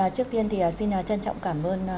trước tiên xin trân trọng cảm ơn